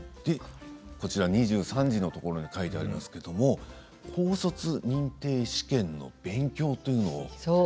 ２３時のところに書いてありますけれども高卒認定試験の勉強というのを始められる。